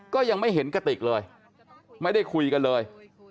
ก็ยังไม่เห็นกระติกเลยไม่ได้คุยกันเลย